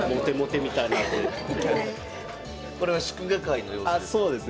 これは祝賀会の様子ですか？